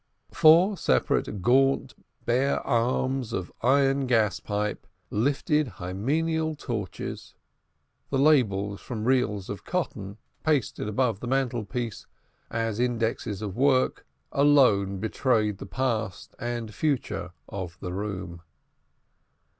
Four separate gaunt bare arms of iron gas pipe lifted hymeneal torches. The labels from reels of cotton, pasted above the mantelpiece as indexes of work done, alone betrayed the past and future of the room.